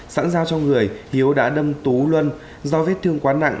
sẵn giao cho người hiếu đã đâm tú luân do vết thương quá nặng